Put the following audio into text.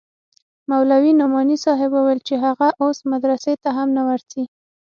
مولوي نعماني صاحب وويل چې هغه اوس مدرسې ته هم نه ورځي.